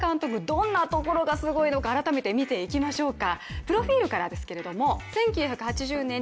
どんなところがすごいのか改めて見ていきましょうか。